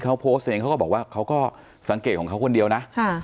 เขาโพสต์เองเขาก็บอกว่าเขาก็สังเกตของเขาคนเดียวนะ